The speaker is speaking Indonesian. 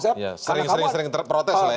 saya sering sering terprotes lah ya